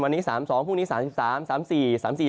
วันนี้๓๒พรุ่งนี้๓๓๔๓๔